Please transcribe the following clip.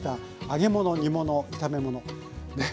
揚げ物煮物炒め物ねっ